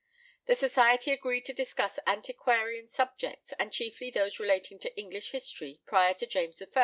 The society agreed to discuss antiquarian subjects, and chiefly those relating to English history prior to James I.